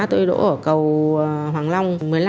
tôi đổ ở cầu hoàng long